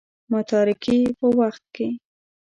متارکې په وخت کې.